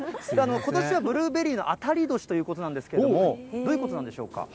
ことしはブルーベリーの当たり年ということなんですけれども、どういうことなんでしょうか。